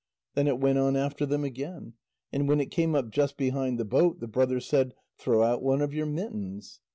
Then it went on after them again, and when it came up just behind the boat, the brothers said: "Throw out one of your mittens."